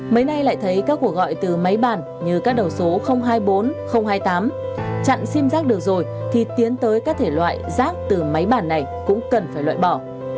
mấy nay lại thấy các cuộc gọi từ máy bản như các đầu số hai mươi bốn hai mươi tám chặn sim rác được rồi thì tiến tới các thể loại rác từ máy bản này cũng cần phải loại bỏ